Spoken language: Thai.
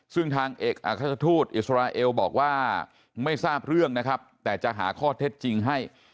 ซึ่งทางเอกอัครทูตอิสราเอลบอกว่าไม่ทราบเรื่องนะครับแต่จะหาข้อเท็จจริงให้